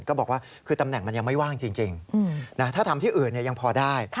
ก็บอกว่าคือตำแหน่งมันยังไม่ว่างจริงถ้าทำที่อื่นยังพอได้